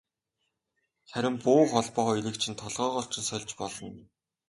Харин буу холбоо хоёрыг чинь толгойгоор чинь сольж болно.